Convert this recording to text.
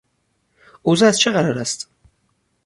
اوضاع از چه قرار است؟